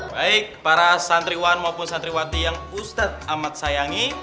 baik para santriwan maupun santriwati yang ustadz amat sayangi